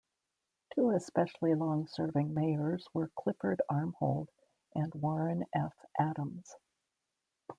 Two especially long-serving mayors were Clifford Armhold and Warren F. Adams.